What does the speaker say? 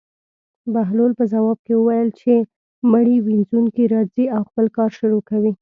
بهلول په ځواب کې وویل: چې مړي وينځونکی راځي او خپل کار شروع کوي.